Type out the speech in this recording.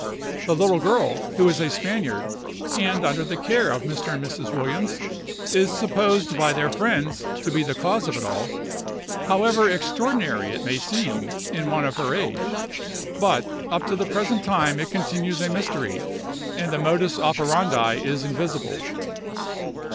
The little girl, who is a Spaniard, and under the care of Mr. and Mrs. Williams, is supposed by their friends to be the cause of it all, however extraordinary it may seem in one of her age, but up to the present time it continues a mystery, and the modus operandi is invisible."